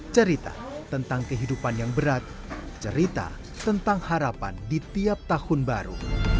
cerita tentang kehidupan yang berat cerita tentang harapan di tiap tahun baru